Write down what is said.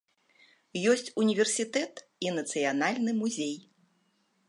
Ёсць універсітэт і нацыянальны музей.